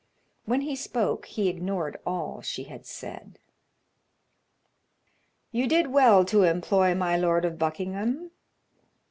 When he spoke he ignored all she had said. "You did well to employ my Lord of Buckingham.